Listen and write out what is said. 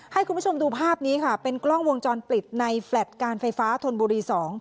ให้คุณผู้ชมดูภาพนี้ค่ะเป็นกล้องวงจรปิดในแฟลต์การไฟฟ้าธนบุรี๒